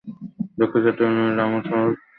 দক্ষিণ-চট্টগ্রামের রামু শহর এখনো দশ ক্রোশ দূরে।